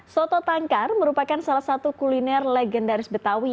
soto tangkar merupakan salah satu kuliner legendaris betawi